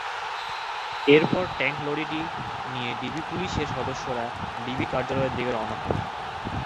এরপর ট্যাংকলরিটি নিয়ে ডিবি পুলিশের সদস্যরা ডিবি কার্যালয়ের দিকে রওনা হন।